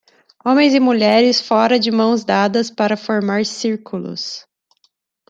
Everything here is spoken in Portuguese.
Homens e mulheres fora de mãos dadas para formar círculos.